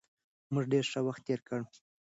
موږ ډېر ښه وخت تېر کړ.